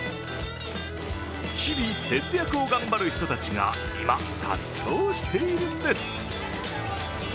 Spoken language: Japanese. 日々、節約を頑張る人たちが今、殺到しているんです。